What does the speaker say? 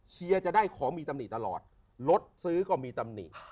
เชียร์จะได้ของมีตำหนิตลอดรถซื้อก็มีตำหนิ